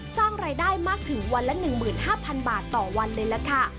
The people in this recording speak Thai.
สร้างรายได้มากถึงวันละ๑๕๐๐๐บาทต่อวันเลยล่ะค่ะ